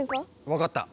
分かった。